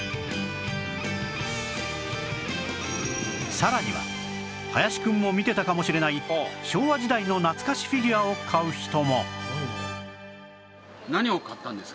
さらには林くんも見てたかもしれない昭和時代の懐かしフィギュアを買う人も！